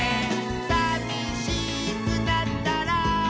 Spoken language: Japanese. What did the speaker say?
「さみしくなったら」